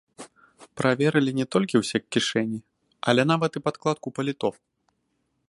Праверылі не толькі ўсе кішэні, але нават і падкладку паліто!